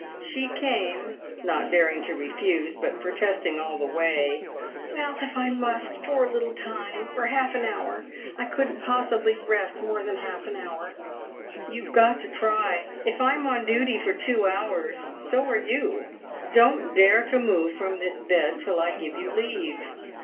She came, not daring to refuse, but protesting all the way. "Well, if I must For a little time. For half an hour. I couldn't possibly rest more than half an hour." "You've got to try. If I'm on duty for two hours, so are you. Don't dare to move from this bed till I give you leave."